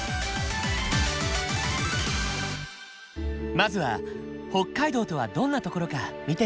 まずは北海道とはどんな所か見てみよう。